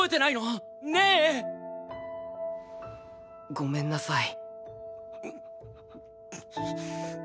ごめんなさい。